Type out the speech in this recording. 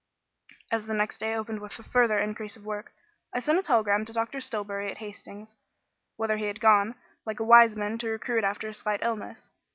As the next day opened with a further increase of work, I sent a telegram to Dr. Stillbury at Hastings, whither he had gone, like a wise man, to recruit after a slight illness.